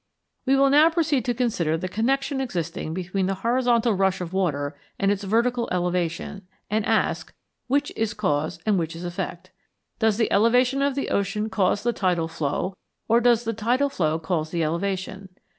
We will now proceed to consider the connection existing between the horizontal rush of water and its vertical elevation, and ask, Which is cause and which is effect? Does the elevation of the ocean cause the tidal flow, or does the tidal flow cause the elevation?